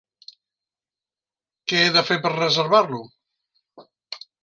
Que he de fer per reservar-lo?